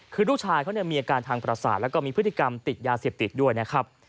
คือลูกชายเขามีอาการทางประสาทแล้วก็มีพฤติกรรมติดยาเสพติดด้วยนะครับ